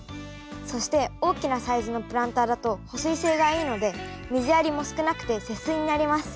そして大きなサイズのプランターだと保水性がいいので水やりも少なくて節水になります。